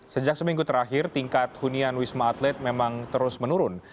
sejak seminggu terakhir tingkat hunian wisma atlet memang terus menurun